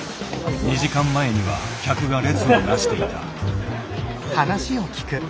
２時間前には客が列をなしていた。